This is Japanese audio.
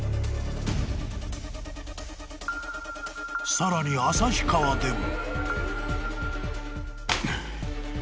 ［さらに旭川でも］